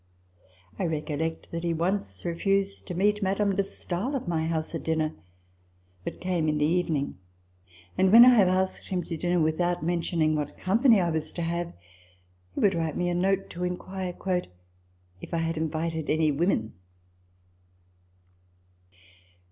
I recollect that he once refused to meet Madame de Stae'l at my house at dinner, but came in the even ing ; and when I have asked him to dinner without TABLE TALK OF SAMUEL ROGERS 181 mentioning what company I was to have, he would write me a note to inquire " if I had invited any women."